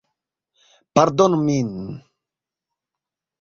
Pardonu min...